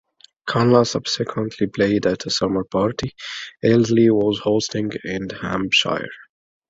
Cunla subsequently played at a summer party Illsley was hosting in Hampshire.